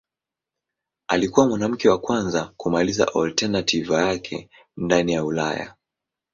Alikuwa mwanamke wa kwanza kumaliza alternativa yake ndani ya Ulaya.